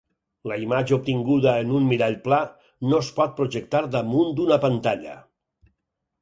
La imatge obtinguda en un mirall pla no es pot projectar damunt d'una pantalla.